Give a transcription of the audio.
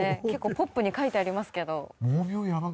結構ポップに書いてありますけど。